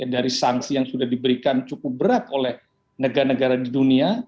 dari sanksi yang sudah diberikan cukup berat oleh negara negara di dunia